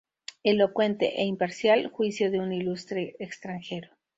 Elocuente e imparcial juicio de un ilustre extranjero.